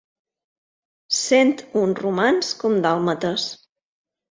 Cent un romans com dàlmates.